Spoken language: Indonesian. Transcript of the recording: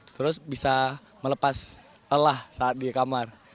iqbal ini juga melepas lelah saat di kamar